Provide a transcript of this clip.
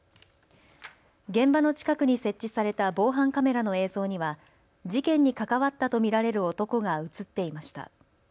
現場の近くに設置された防犯カメラの映像には事件に関わったと見られる男が写っていました。